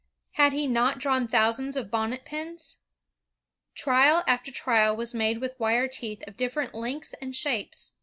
Had he not drawn thou sands of bonnet pins? Trial after trial was made with wire teeth of different lengths and shapes.